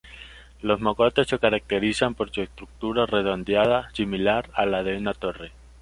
Los mogotes se caracterizan por su estructura redondeada, similar a la de una torre.